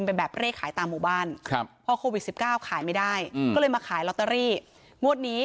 ปีน้ำเป็นพ่อขาร็อตเตอรี่